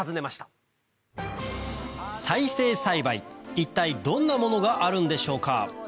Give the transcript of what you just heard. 一体どんなものがあるんでしょうか？